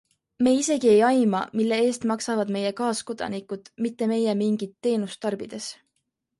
Me isegi ei aima, mille eest maksavad meie kaaskodanikud, mitte meie mingit teenust tarbides.